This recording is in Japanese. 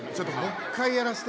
もう一回やらして。